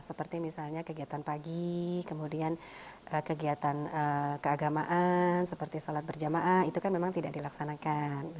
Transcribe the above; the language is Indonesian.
seperti misalnya kegiatan pagi kemudian kegiatan keagamaan seperti sholat berjamaah itu kan memang tidak dilaksanakan